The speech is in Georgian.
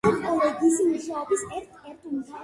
ტყემალი